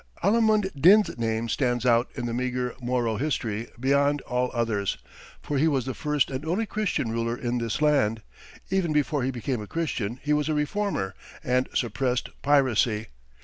Alimund Din's name stands out in this meager Moro history beyond all others, for he was the first and only Christian ruler in this land. Even before he became a Christian he was a reformer, and suppressed piracy.